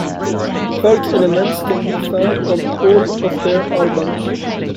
Folk elements can be found on all of their albums.